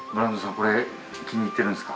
これ気に入ってるんですか？